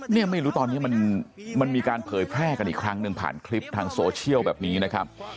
เนี่ยไม่รู้ตอนนี้มันมีการเผยแพร่กันอีกครั้งหนึ่งผ่านคลิปทางโซเชียลแบบนี้นะครับ